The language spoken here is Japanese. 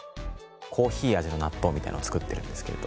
コーヒー味の納豆みたいなものを作ってるんですけれども。